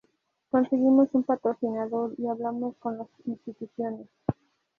Conseguimos un patrocinador y hablamos con las instituciones.